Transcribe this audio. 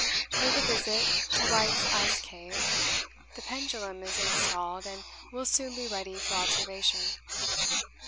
Paid a visit to Wright's ice cave; the pendulum is installed and will soon be ready for observation.